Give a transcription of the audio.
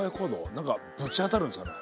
何かぶち当たるんですかね？